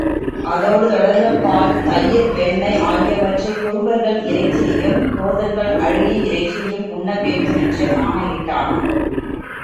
அதோடு, தோடர்கள் பால், தயிர், வெண்ணெய் ஆகியவற்றையும், குறும்பர்கள் இறைச்சியையும், கோதர்கள் அழுகிய இறைச்சியையும் உண்ண வேண்டுமென்று ஆணையிட்டானாம்.